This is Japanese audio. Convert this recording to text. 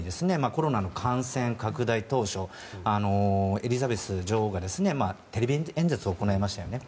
コロナの感染拡大当初エリザベス女王がテレビ演説を行いましたよね。